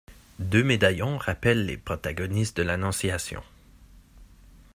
Deux médaillons rappellent les protagonistes de l'Annonciation.